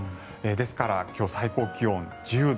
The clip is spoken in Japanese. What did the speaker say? ですから、今日最高気温１０度。